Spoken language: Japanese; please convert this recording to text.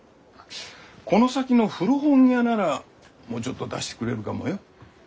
この先の古本屋ならもうちょっと出してくれるかもよ？